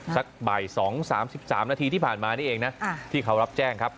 สักบ่าย๒๓๓นาทีที่ผ่านมานี่เองนะที่เขารับแจ้งครับ